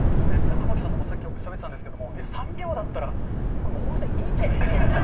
玉城さんともさっきしゃべってたんですけど、３秒だったら、いいんじゃないかと。